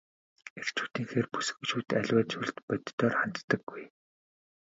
Эрчүүдийнхээр бүсгүйчүүд аливаа зүйлд бодитоор ханддаггүй.